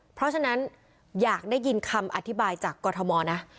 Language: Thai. เพราะฉะนั้นอยากได้ยินคำอธิบายจากกรทมนะ